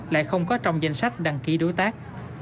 lại không có trong danh sách đăng ký đối tác